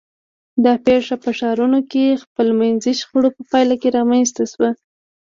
دا پېښه په ښارونو کې خپلمنځي شخړو په پایله رامنځته شوه.